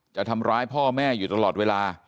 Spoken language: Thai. จะทำร้ายพ่อแม่อยู่ตลอดเวลา